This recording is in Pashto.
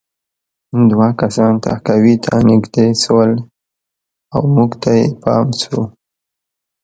دوه کسان تهکوي ته نږدې شول او موږ ته یې پام شو